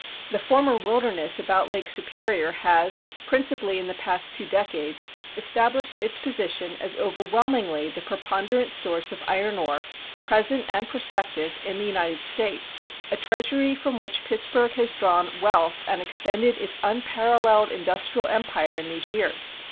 The former wilderness about Lake Superior has, principally in the past two decades, established its position as overwhelmingly the preponderant source of iron ore, present and prospective, in the United States a treasury from which Pittsburgh has drawn wealth and extended its unparalleled industrial empire in these years.